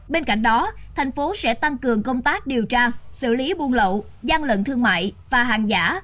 bên cạnh đó thành phố sẽ tăng cường công tác điều tra xử lý buôn lậu gian lận thương mại và hàng giả